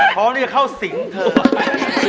เพราะว่านี่จะเข้าสิงค์